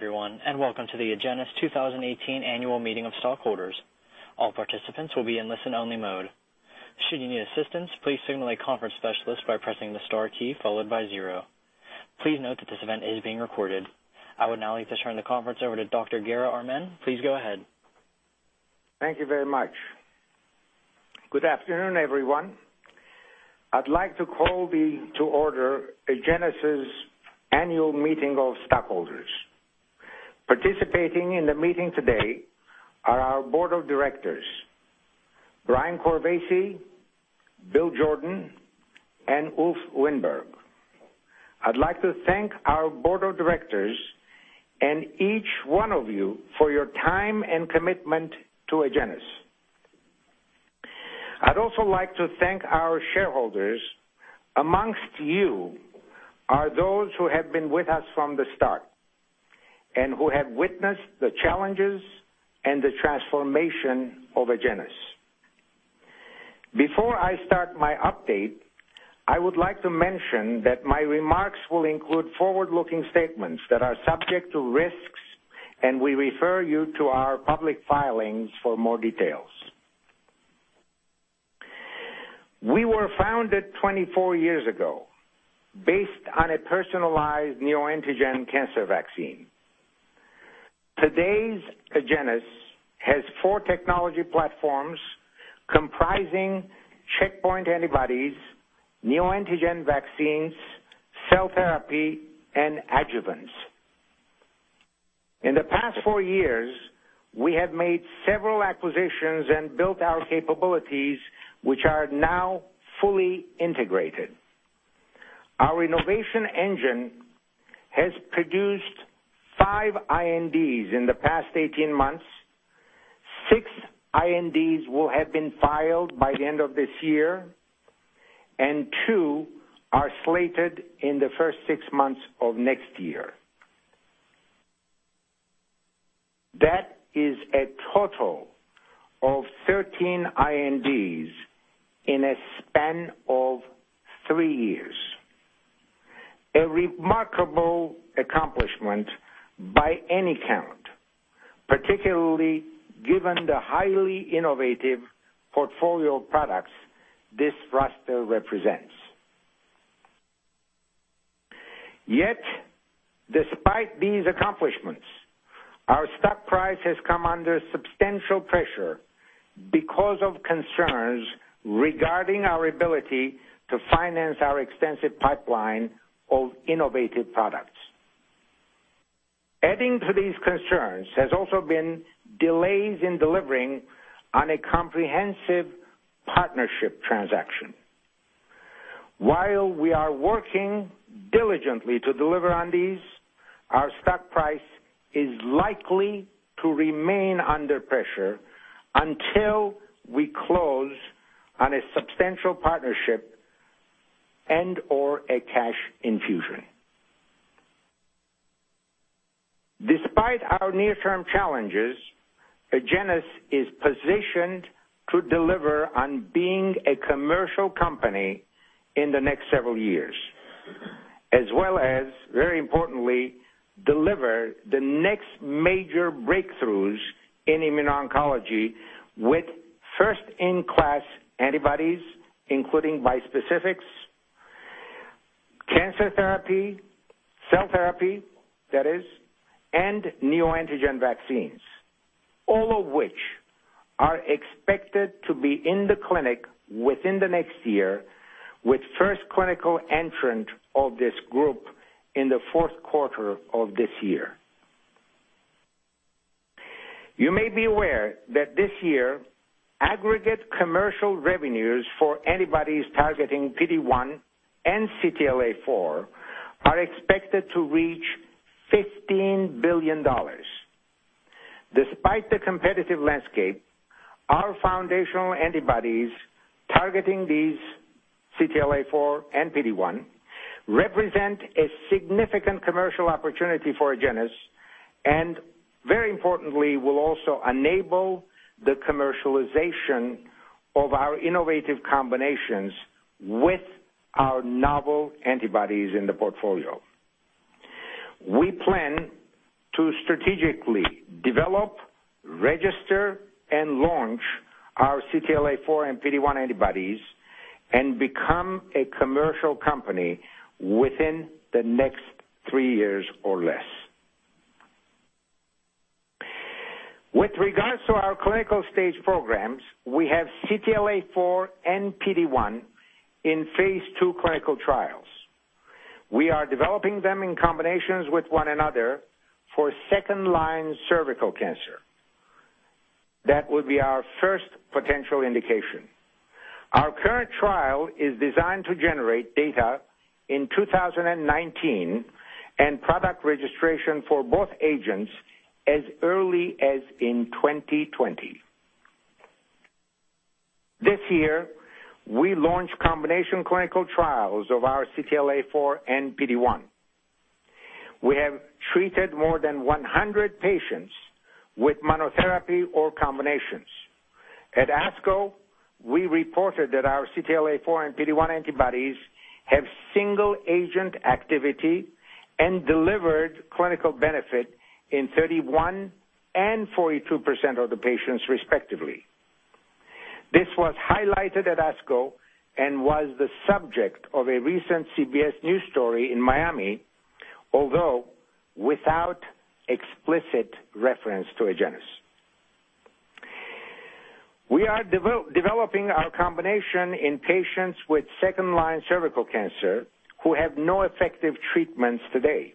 Good day everyone, and welcome to the Agenus 2018 Annual Meeting of Stockholders. All participants will be in listen-only mode. Should you need assistance, please signal a conference specialist by pressing the star key followed by zero. Please note that this event is being recorded. I would now like to turn the conference over to Dr. Garo Armen. Please go ahead. Thank you very much. Good afternoon, everyone. I'd like to call to order Agenus' Annual Meeting of Stockholders. Participating in the meeting today are our board of directors, Brian Corvese, Wadih Jordan, and Ulf Wiinberg. I'd like to thank our board of directors and each one of you for your time and commitment to Agenus. I'd also like to thank our shareholders. Amongst you are those who have been with us from the start and who have witnessed the challenges and the transformation of Agenus. Before I start my update, I would like to mention that my remarks will include forward-looking statements that are subject to risks, and we refer you to our public filings for more details. We were founded 24 years ago based on a personalized neoantigen cancer vaccine. Today's Agenus has four technology platforms comprising checkpoint antibodies, neoantigen vaccines, cell therapy, and adjuvants. In the past four years, we have made several acquisitions and built our capabilities, which are now fully integrated. Our innovation engine has produced five INDs in the past 18 months, six INDs will have been filed by the end of this year, and two are slated in the first six months of next year. That is a total of 13 INDs in a span of three years. A remarkable accomplishment by any count, particularly given the highly innovative portfolio of products this roster represents. Yet, despite these accomplishments, our stock price has come under substantial pressure because of concerns regarding our ability to finance our extensive pipeline of innovative products. Adding to these concerns has also been delays in delivering on a comprehensive partnership transaction. While we are working diligently to deliver on these, our stock price is likely to remain under pressure until we close on a substantial partnership and/or a cash infusion. Despite our near-term challenges, Agenus is positioned to deliver on being a commercial company in the next several years, as well as, very importantly, deliver the next major breakthroughs in immuno-oncology with first-in-class antibodies, including bispecifics, cancer therapy, cell therapy, that is, and neoantigen vaccines. All of which are expected to be in the clinic within the next year, with first clinical entrant of this group in the fourth quarter of this year. You may be aware that this year, aggregate commercial revenues for antibodies targeting PD-1 and CTLA-4 are expected to reach $15 billion. Despite the competitive landscape, our foundational antibodies targeting these CTLA-4 and PD-1 represent a significant commercial opportunity for Agenus, and very importantly, will also enable the commercialization of our innovative combinations with our novel antibodies in the portfolio. We plan to strategically develop, register, and launch our CTLA-4 and PD-1 antibodies and become a commercial company within the next three years or less. With regards to our clinical stage programs, we have CTLA-4 and PD-1 in phase II clinical trials. We are developing them in combinations with one another for second-line cervical cancer. That would be our first potential indication. Our current trial is designed to generate data in 2019 and product registration for both agents as early as in 2020. This year, we launched combination clinical trials of our CTLA-4 and PD-1. We have treated more than 100 patients with monotherapy or combinations. At ASCO, we reported that our CTLA-4 and PD-1 antibodies have single agent activity and delivered clinical benefit in 31% and 42% of the patients respectively. This was highlighted at ASCO and was the subject of a recent CBS News story in Miami, although without explicit reference to Agenus. We are developing our combination in patients with second-line cervical cancer who have no effective treatments today.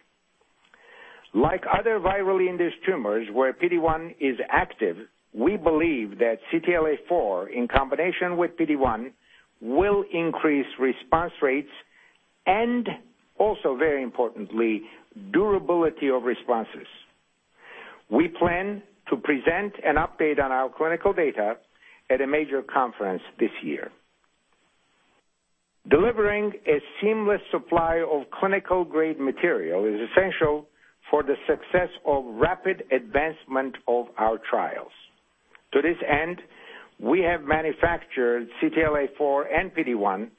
Like other virally induced tumors where PD-1 is active, we believe that CTLA-4 in combination with PD-1 will increase response rates, and also very importantly, durability of responses. We plan to present an update on our clinical data at a major conference this year. Delivering a seamless supply of clinical-grade material is essential for the success of rapid advancement of our trials. To this end, we have manufactured CTLA-4 and PD-1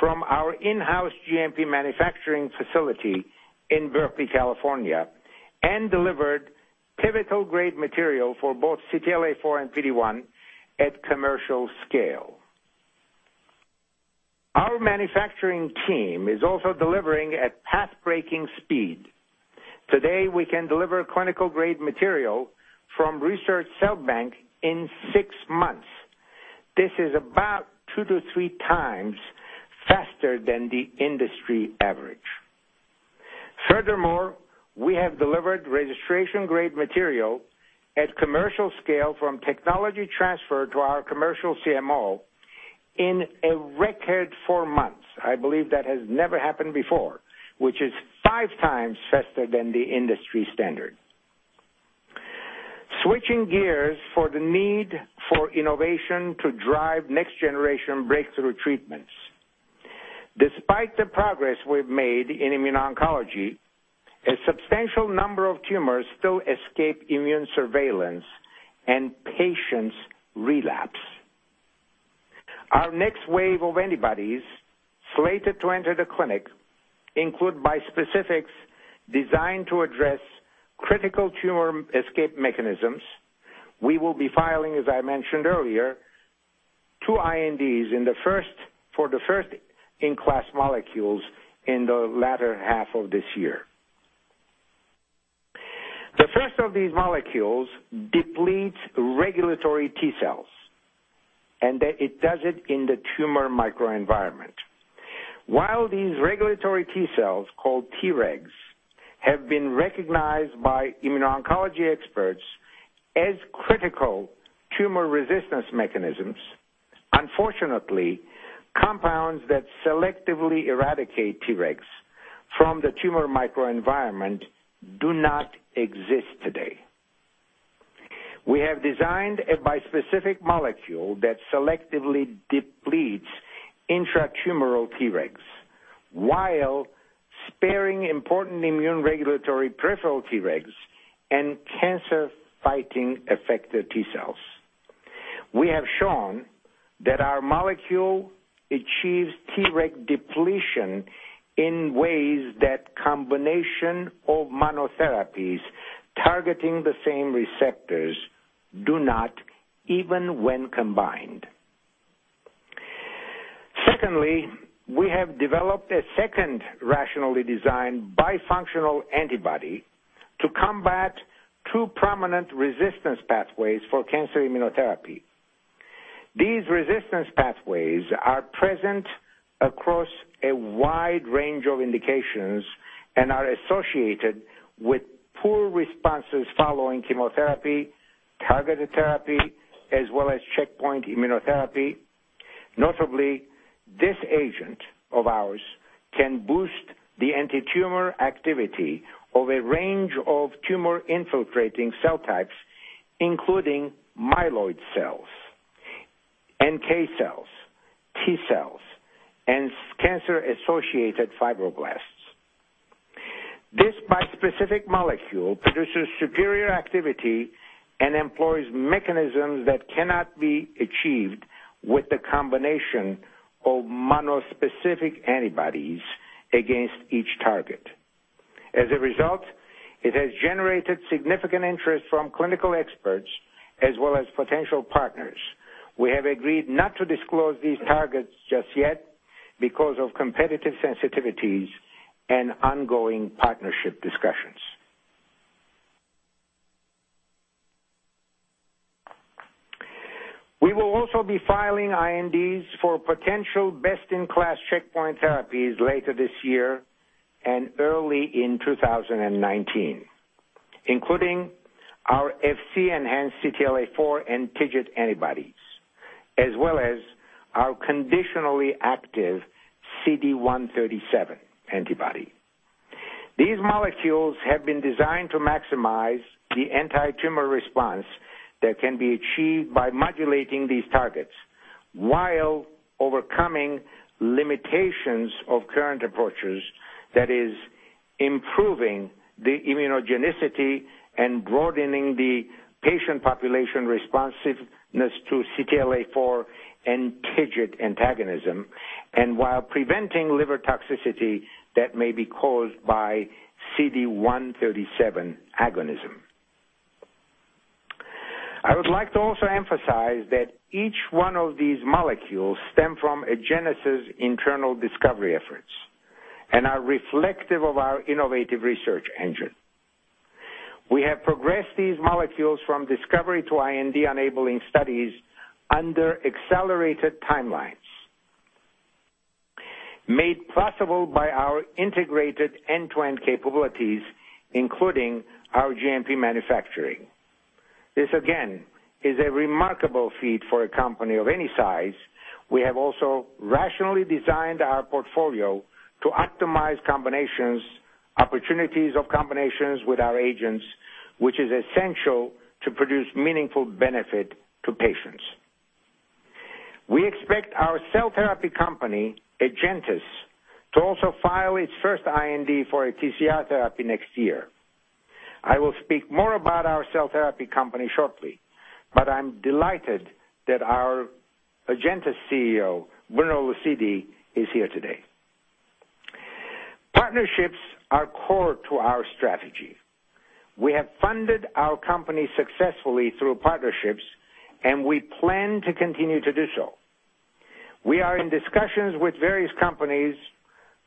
from our in-house GMP manufacturing facility in Berkeley, California, and delivered pivotal grade material for both CTLA-4 and PD-1 at commercial scale. Our manufacturing team is also delivering at pathbreaking speed. Today, we can deliver clinical-grade material from research cell bank in six months. This is about two to three times faster than the industry average. Furthermore, we have delivered registration-grade material at commercial scale from technology transfer to our commercial CMO in a record four months. I believe that has never happened before, which is five times faster than the industry standard. Switching gears for the need for innovation to drive next generation breakthrough treatments. Despite the progress we've made in immuno-oncology, a substantial number of tumors still escape immune surveillance and patients relapse. Our next wave of antibodies slated to enter the clinic include bispecifics designed to address critical tumor escape mechanisms. We will be filing, as I mentioned earlier, two INDs for the first in-class molecules in the latter half of this year. The first of these molecules depletes regulatory T cells, and that it does it in the tumor microenvironment. While these regulatory T cells, called Tregs, have been recognized by immuno-oncology experts as critical tumor resistance mechanisms, unfortunately, compounds that selectively eradicate Tregs from the tumor microenvironment do not exist today. We have designed a bispecific molecule that selectively depletes intratumoral Tregs while sparing important immune regulatory peripheral Tregs and cancer-fighting effector T cells. We have shown that our molecule achieves Treg depletion in ways that combination of monotherapies targeting the same receptors do not, even when combined. Secondly, we have developed a second rationally designed bifunctional antibody to combat two prominent resistance pathways for cancer immunotherapy. These resistance pathways are present across a wide range of indications and are associated with poor responses following chemotherapy, targeted therapy, as well as checkpoint immunotherapy. Notably, this agent of ours can boost the antitumor activity of a range of tumor-infiltrating cell types, including myeloid cells, NK cells, T cells, and cancer-associated fibroblasts. This bispecific molecule produces superior activity and employs mechanisms that cannot be achieved with the combination of monospecific antibodies against each target. As a result, it has generated significant interest from clinical experts as well as potential partners. We have agreed not to disclose these targets just yet because of competitive sensitivities and ongoing partnership discussions. We will also be filing INDs for potential best-in-class checkpoint therapies later this year and early in 2019, including our Fc-enhanced CTLA-4 and TIGIT antibodies, as well as our conditionally active CD137 antibody. These molecules have been designed to maximize the antitumor response that can be achieved by modulating these targets while overcoming limitations of current approaches, that is Improving the immunogenicity and broadening the patient population responsiveness to CTLA-4 and TIGIT antagonism, and while preventing liver toxicity that may be caused by CD137 agonism. I would like to also emphasize that each one of these molecules stem from Agenus' internal discovery efforts and are reflective of our innovative research engine. We have progressed these molecules from discovery to IND-enabling studies under accelerated timelines, made possible by our integrated end-to-end capabilities, including our GMP manufacturing. This again, is a remarkable feat for a company of any size. We have also rationally designed our portfolio to optimize combinations, opportunities of combinations with our agents, which is essential to produce meaningful benefit to patients. We expect our cell therapy company, AgenTus, to also file its first IND for a TCR therapy next year. I will speak more about our cell therapy company shortly, but I'm delighted that our AgenTus CEO, Bruno Lucidi, is here today. Partnerships are core to our strategy. We have funded our company successfully through partnerships, and we plan to continue to do so. We are in discussions with various companies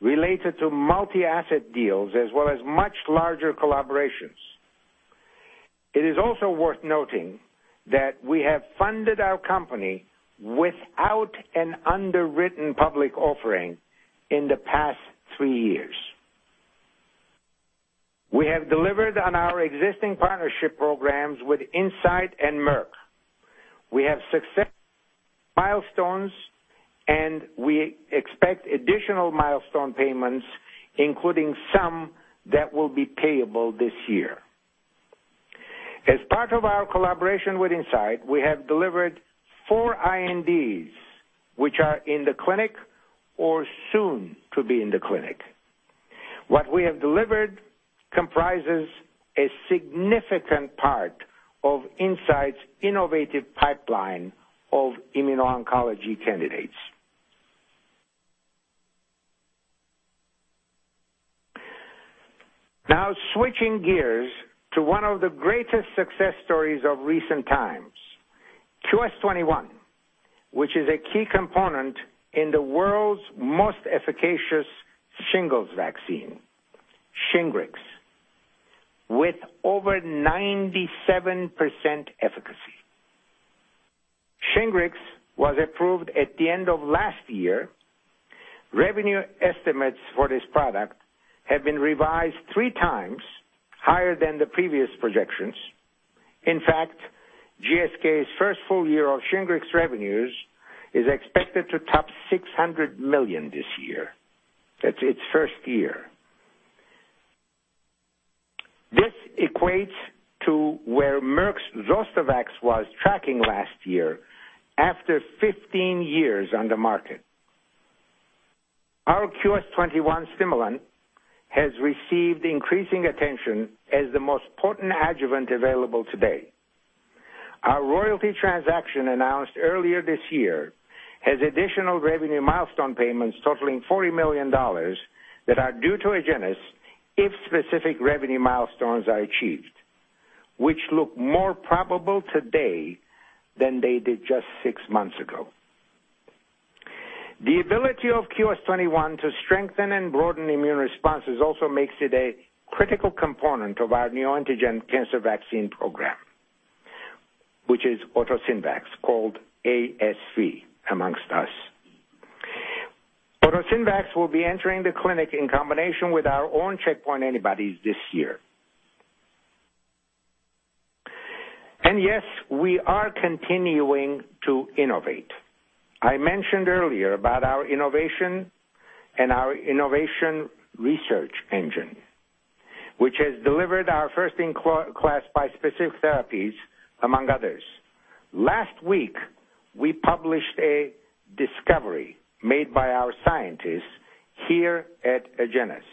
related to multi-asset deals as well as much larger collaborations. It is also worth noting that we have funded our company without an underwritten public offering in the past three years. We have delivered on our existing partnership programs with Incyte and Merck. We have success milestones, and we expect additional milestone payments, including some that will be payable this year. As part of our collaboration with Incyte, we have delivered four INDs, which are in the clinic or soon to be in the clinic. What we have delivered comprises a significant part of Incyte's innovative pipeline of immuno-oncology candidates. Now, switching gears to one of the greatest success stories of recent times, QS-21, which is a key component in the world's most efficacious shingles vaccine, Shingrix, with over 97% efficacy. Shingrix was approved at the end of last year. Revenue estimates for this product have been revised three times higher than the previous projections. In fact, GSK's first full year of Shingrix revenues is expected to top $600 million this year. That's its first year. This equates to where Merck's Zostavax was tracking last year after 15 years on the market. Our QS-21 Stimulon has received increasing attention as the most potent adjuvant available today. Our royalty transaction announced earlier this year has additional revenue milestone payments totaling $40 million that are due to Agenus if specific revenue milestones are achieved, which look more probable today than they did just six months ago. The ability of QS-21 to strengthen and broaden immune responses also makes it a critical component of our neoantigen cancer vaccine program, which is AutoSynVax, called ASV amongst us. AutoSynVax will be entering the clinic in combination with our own checkpoint antibodies this year. Yes, we are continuing to innovate. I mentioned earlier about our innovation and our innovation research engine, which has delivered our first-in-class bispecific therapies, among others. Last week, we published a discovery made by our scientists here at Agenus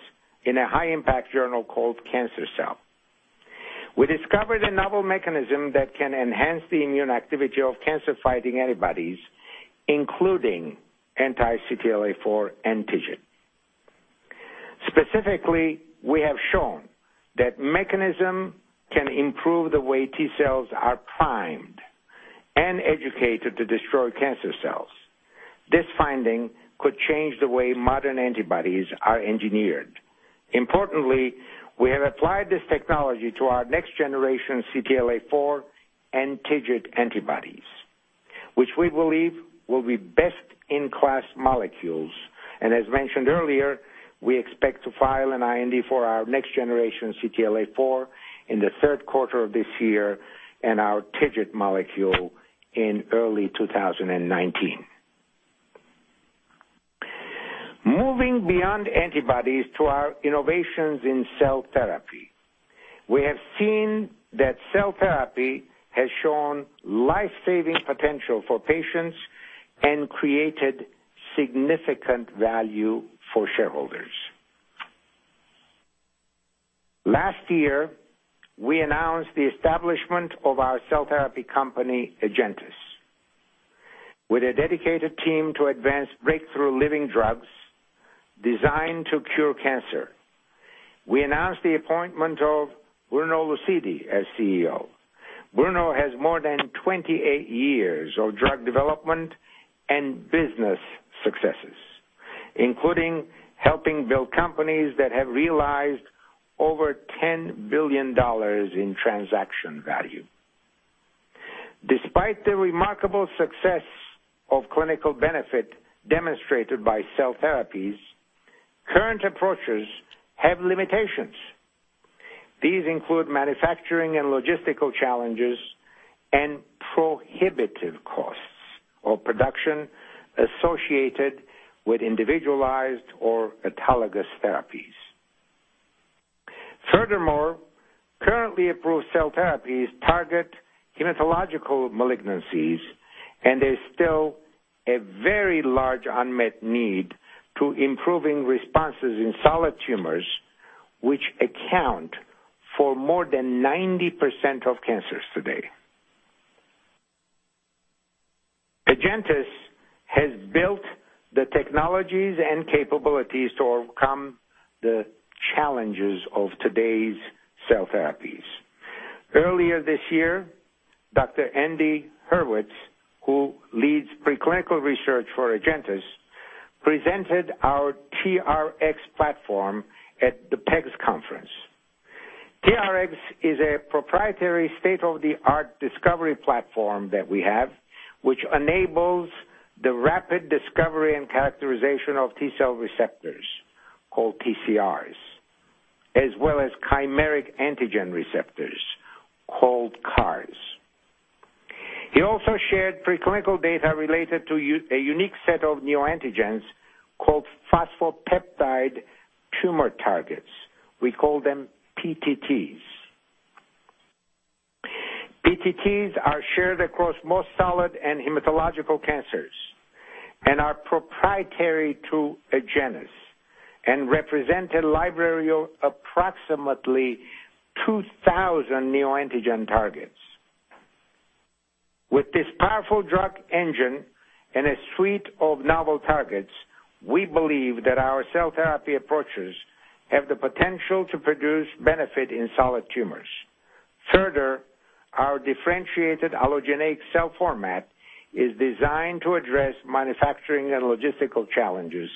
in a high impact journal called "Cancer Cell." We discovered a novel mechanism that can enhance the immune activity of cancer-fighting antibodies, including anti-CTLA-4 antibody. Specifically, we have shown that mechanism can improve the way T cells are primed and educated to destroy cancer cells. This finding could change the way modern antibodies are engineered. Importantly, we have applied this technology to our next generation CTLA-4 and TIGIT antibodies, which we believe will be best-in-class molecules. As mentioned earlier, we expect to file an IND for our next generation CTLA-4 in the third quarter of this year and our TIGIT molecule in early 2019. Moving beyond antibodies to our innovations in cell therapy. We have seen that cell therapy has shown life-saving potential for patients and created significant value for shareholders. Last year, we announced the establishment of our cell therapy company, AgenTus, with a dedicated team to advance breakthrough living drugs designed to cure cancer. We announced the appointment of Bruno Lucidi as CEO. Bruno has more than 28 years of drug development and business successes, including helping build companies that have realized over $10 billion in transaction value. Despite the remarkable success of clinical benefit demonstrated by cell therapies, current approaches have limitations. These include manufacturing and logistical challenges and prohibitive costs of production associated with individualized or autologous therapies. Furthermore, currently approved cell therapies target hematological malignancies, and there's still a very large unmet need to improving responses in solid tumors, which account for more than 90% of cancers today. AgenTus has built the technologies and capabilities to overcome the challenges of today's cell therapies. Earlier this year, Dr. Andy Hurwitz, who leads preclinical research for AgenTus, presented our T-Rx platform at the PEGS conference. T-Rx is a proprietary state-of-the-art discovery platform that we have, which enables the rapid discovery and characterization of T-cell receptors, called TCRs, as well as chimeric antigen receptors, called CARs. He also shared preclinical data related to a unique set of neoantigens called phosphopeptide tumor targets. We call them PTTs. PTTs are shared across most solid and hematological cancers and are proprietary to Agenus and represent a library of approximately 2,000 neoantigen targets. Further, our differentiated allogeneic cell format is designed to address manufacturing and logistical challenges,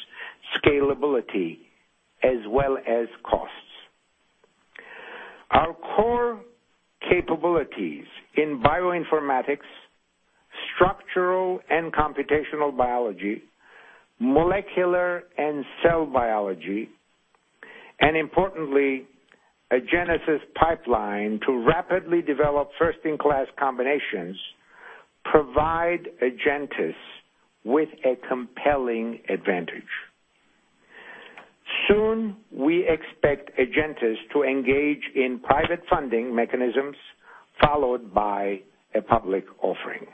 scalability, as well as costs. Our core capabilities in bioinformatics, structural and computational biology, molecular and cell biology, and importantly, Agenus' pipeline to rapidly develop first-in-class combinations, provide AgenTus with a compelling advantage. Soon, we expect AgenTus to engage in private funding mechanisms, followed by a public offering.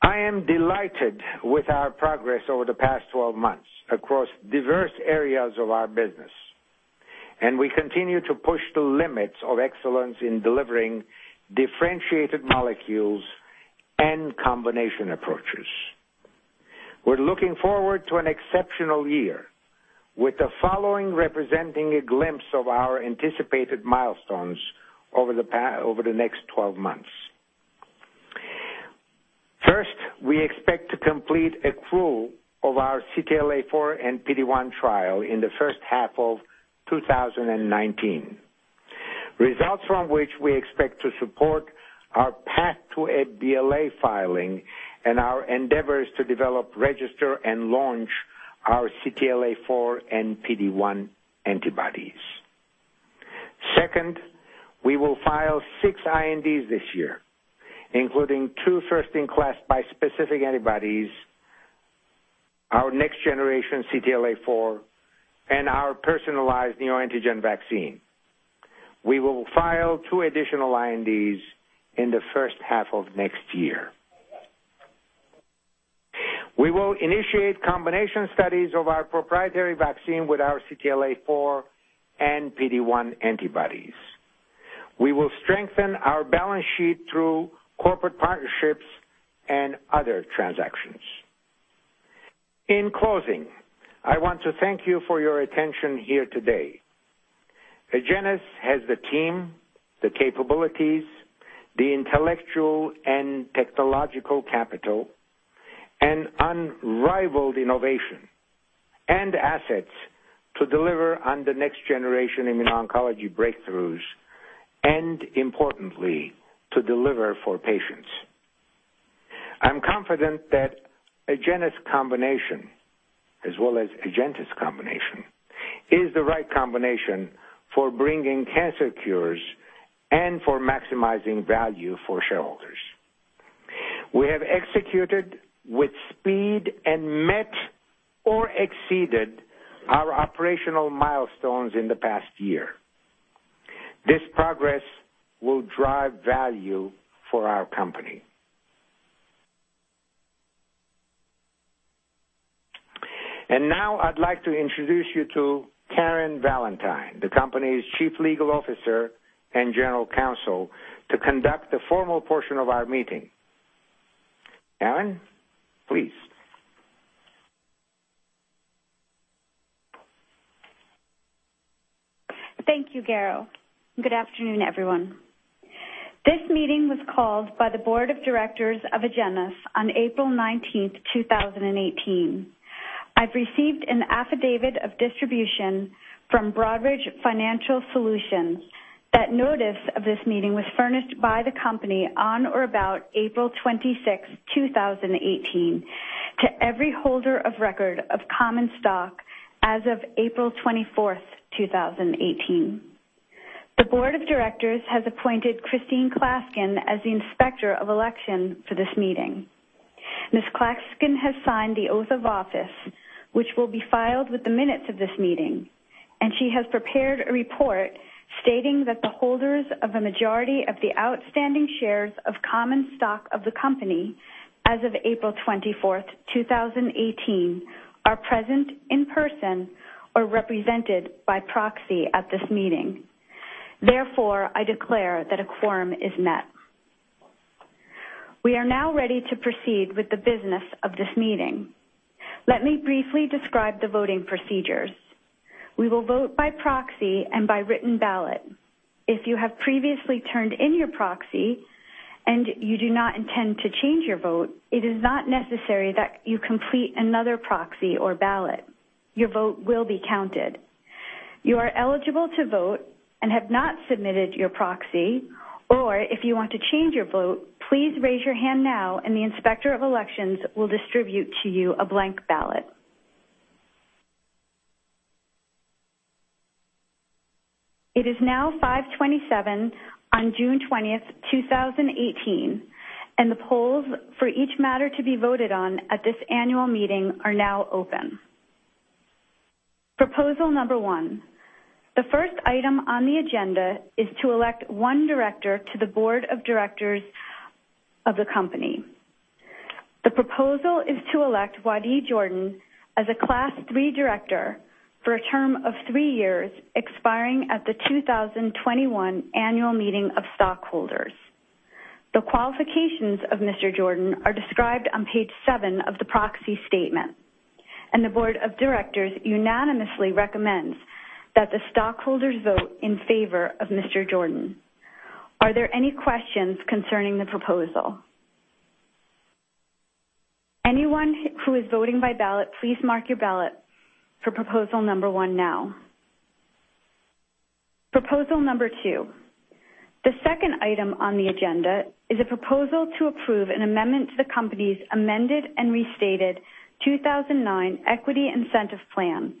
I am delighted with our progress over the past 12 months across diverse areas of our business, and we continue to push the limits of excellence in delivering differentiated molecules and combination approaches. We're looking forward to an exceptional year with the following representing a glimpse of our anticipated milestones over the next 12 months. First, we expect to complete accrual of our CTLA-4 and PD-1 trial in the first half of 2019. Results from which we expect to support our path to a BLA filing and our endeavors to develop, register, and launch our CTLA-4 and PD-1 antibodies. Second, we will file six INDs this year, including two first-in-class bispecific antibodies, our next-generation CTLA-4, and our personalized neoantigen vaccine. We will file two additional INDs in the first half of next year. We will initiate combination studies of our proprietary vaccine with our CTLA-4 and PD-1 antibodies. We will strengthen our balance sheet through corporate partnerships and other transactions. In closing, I want to thank you for your attention here today. Agenus has the team, the capabilities, the intellectual and technological capital, and unrivaled innovation and assets to deliver on the next generation immuno-oncology breakthroughs, and importantly, to deliver for patients. I'm confident that Agenus combination, as well as AgenTus combination, is the right combination for bringing cancer cures and for maximizing value for shareholders. We have executed with speed and met or exceeded our operational milestones in the past year. Now I'd like to introduce you to Karen Valentine, the company's Chief Legal Officer and General Counsel, to conduct the formal portion of our meeting. Karen, please. Thank you, Garo. Good afternoon, everyone. This meeting was called by the Board of Directors of Agenus on April 19th, 2018. I've received an affidavit of distribution from Broadridge Financial Solutions that notice of this meeting was furnished by the company on or about April 26th, 2018 to every holder of record of common stock as of April 24th, 2018. The Board of Directors has appointed Christine Klaskin as the Inspector of Election for this meeting. Ms. Klaskin has signed the oath of office, which will be filed with the minutes of this meeting, and she has prepared a report stating that the holders of a majority of the outstanding shares of common stock of the company as of April 24th, 2018, are present in person or represented by proxy at this meeting. Therefore, I declare that a quorum is met. We are now ready to proceed with the business of this meeting. Let me briefly describe the voting procedures. We will vote by proxy and by written ballot. If you have previously turned in your proxy and you do not intend to change your vote, it is not necessary that you complete another proxy or ballot. Your vote will be counted. If you are eligible to vote and have not submitted your proxy, or if you want to change your vote, please raise your hand now and the Inspector of Elections will distribute to you a blank ballot. It is now 5:27 on June 20th, 2018, and the polls for each matter to be voted on at this annual meeting are now open. Proposal number one. The first item on the agenda is to elect one director to the board of directors of the company. The proposal is to elect Wadih Jordan as a class 3 director for a term of three years, expiring at the 2021 annual meeting of stockholders. The qualifications of Mr. Jordan are described on page seven of the proxy statement, and the board of directors unanimously recommends that the stockholders vote in favor of Mr. Jordan. Are there any questions concerning the proposal? Anyone who is voting by ballot, please mark your ballot for proposal number one now. Proposal number two. The second item on the agenda is a proposal to approve an amendment to the company's Amended and Restated 2009 Equity Incentive Plan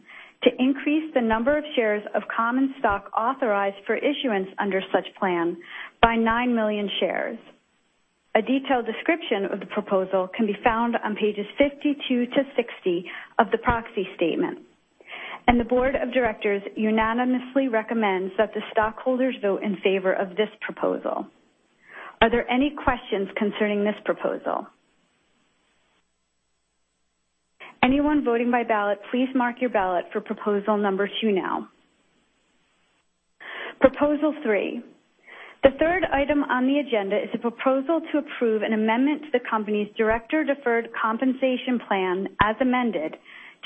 to increase the number of shares of common stock authorized for issuance under such plan by nine million shares. A detailed description of the proposal can be found on pages 52 to 60 of the proxy statement, and the board of directors unanimously recommends that the stockholders vote in favor of this proposal. Are there any questions concerning this proposal? Anyone voting by ballot, please mark your ballot for proposal number two now. Proposal three. The third item on the agenda is a proposal to approve an amendment to the company's Directors' Deferred Compensation Plan, as amended,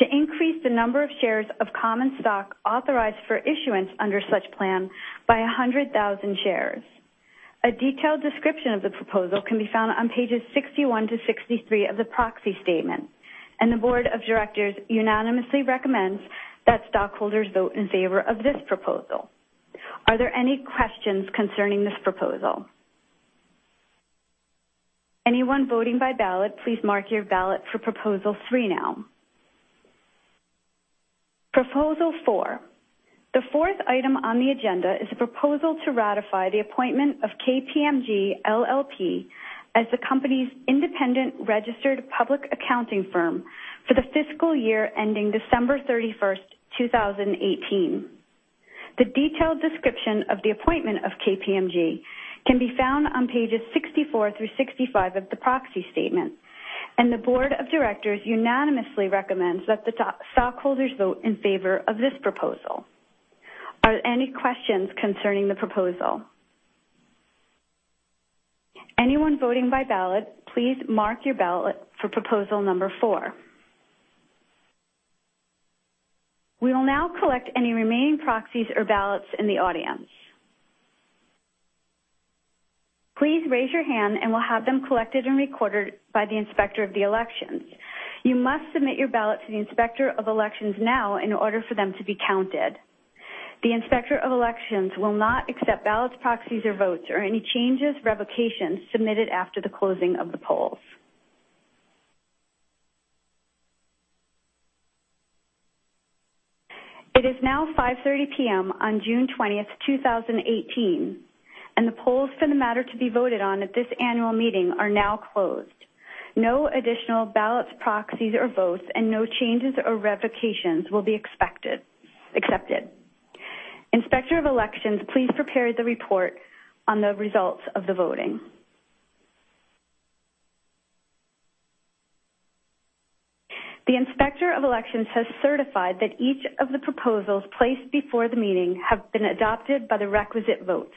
to increase the number of shares of common stock authorized for issuance under such plan by 100,000 shares. A detailed description of the proposal can be found on pages 61 to 63 of the proxy statement, and the board of directors unanimously recommends that stockholders vote in favor of this proposal. Are there any questions concerning this proposal? Anyone voting by ballot, please mark your ballot for proposal three now. Proposal four. The fourth item on the agenda is a proposal to ratify the appointment of KPMG LLP as the company's independent registered public accounting firm for the fiscal year ending December 31st, 2018. The detailed description of the appointment of KPMG can be found on pages 64 through 65 of the proxy statement, and the board of directors unanimously recommends that the stockholders vote in favor of this proposal. Are any questions concerning the proposal? Anyone voting by ballot, please mark your ballot for proposal number four. We will now collect any remaining proxies or ballots in the audience. Please raise your hand and we'll have them collected and recorded by the Inspector of the Elections. You must submit your ballot to the Inspector of Elections now in order for them to be counted. The Inspector of Elections will not accept ballots, proxies or votes or any changes, revocations submitted after the closing of the polls. It is now 5:30 P.M. on June 20th, 2018, and the polls for the matter to be voted on at this annual meeting are now closed. No additional ballots, proxies or votes and no changes or revocations will be accepted. Inspector of Elections, please prepare the report on the results of the voting. The Inspector of Elections has certified that each of the proposals placed before the meeting have been adopted by the requisite votes.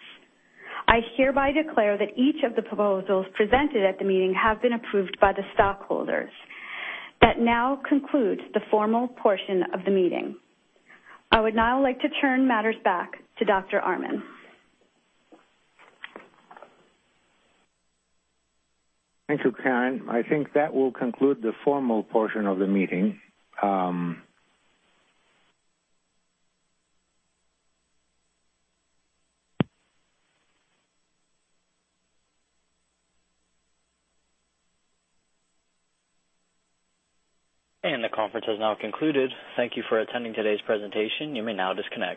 I hereby declare that each of the proposals presented at the meeting have been approved by the stockholders. That now concludes the formal portion of the meeting. I would now like to turn matters back to Dr. Armen. Thank you, Karen. I think that will conclude the formal portion of the meeting. The conference has now concluded. Thank you for attending today's presentation. You may now disconnect.